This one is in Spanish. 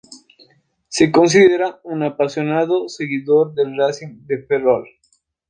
Se considera un apasionado seguidor del Racing de Ferrol.